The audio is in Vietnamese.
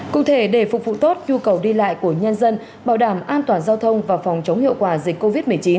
cụ thể để phục vụ tốt nhu cầu đi lại của nhân dân bảo đảm an toàn giao thông và phòng chống hiệu quả dịch covid một mươi chín